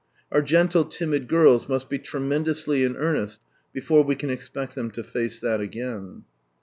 Our gentle timid girls must be tremendously in earnest before we can expect them lo face that again.